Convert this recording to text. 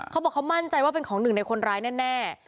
เขาบอกเขามั่นใจว่าเป็นของหนึ่งในคนร้ายแน่